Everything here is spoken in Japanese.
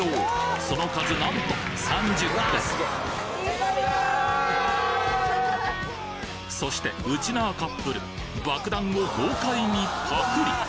その数なんとそしてうちなーカップルばくだんを豪快にパクリ！